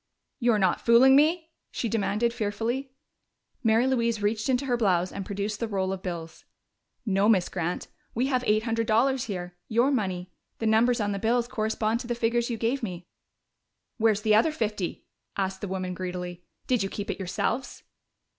"You're not fooling me?" she demanded fearfully. Mary Louise reached into her blouse and produced the roll of bills. "No, Miss Grant. We have eight hundred dollars here your money! The numbers on the bills correspond to the figures you gave me." "Where's the other fifty?" asked the woman greedily. "Did you keep it yourselves?"